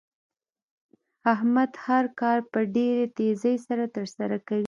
احمد هر کار په ډېرې تېزۍ سره تر سره کوي.